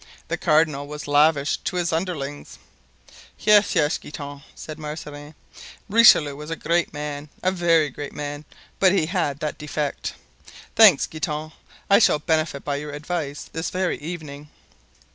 The cardinal was lavish to his underlings." "Yes, yes, Guitant," said Mazarin; "Richelieu was a great man, a very great man, but he had that defect. Thanks, Guitant; I shall benefit by your advice this very evening."